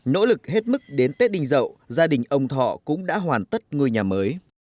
nỗ lực hết mức đến tết đinh dậu gia đình ông thọ cũng đã hoàn tất ngôi nhà mới